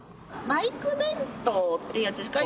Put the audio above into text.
バイク弁当っていうんですか？